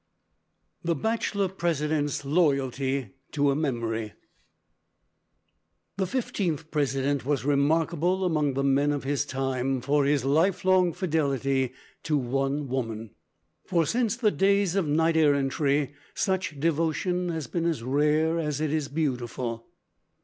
The Bachelor President's Loyalty to a Memory The fifteenth President was remarkable among the men of his time for his lifelong fidelity to one woman, for since the days of knight errantry such devotion has been as rare as it is beautiful.